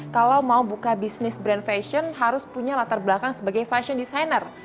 kalau mau buka bisnis brand fashion harus punya latar belakang sebagai fashion designer